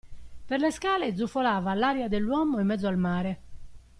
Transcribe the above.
Per le scale zufolava l'aria dell'uomo in mezzo al mare.